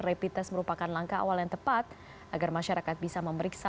ini adalah langkah awal yang tepat agar masyarakat bisa memeriksa